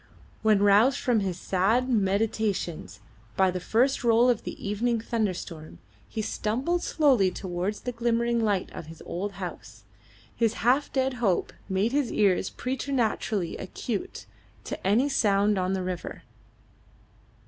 When, roused from his sad meditations by the first roll of the evening thunderstorm, he stumbled slowly towards the glimmering light of his old house, his half dead hope made his ears preternaturally acute to any sound on the river.